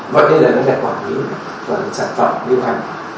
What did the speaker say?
vậy đây là nguyên liệu quản lý và sản phẩm lưu hành